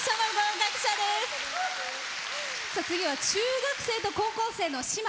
次は中学生と高校生の姉妹。